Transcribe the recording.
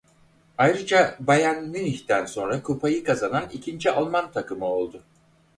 Ayrıca Bayern Münih'ten sonra kupayı kazanan ikinci Alman takımı oldu.